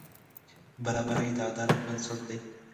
برابري د عدالت بنسټ دی.